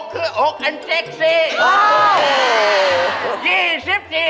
๓๖คืออุ๊กอันเซ็กซี่